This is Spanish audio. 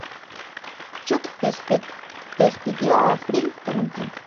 Chuck despidió a April por un tiempo.